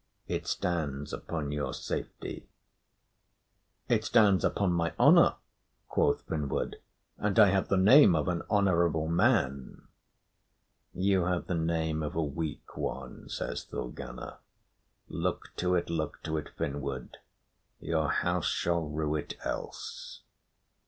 It stands upon your safety." "It stands upon my honour," quoth Finnward, "and I have the name of an honourable man." "You have the name of a weak one," says Thorgunna. "Look to it, look to it, Finnward. Your house shall rue it else."